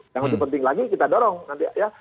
yang lebih penting lagi kita dorong nanti ya